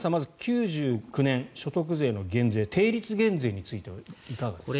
９９年、所得税の減税定率減税についてはいかがですか？